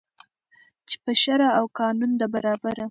چي پر شرع او قانون ده برابره